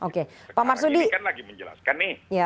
sekarang ini kan lagi menjelaskan nih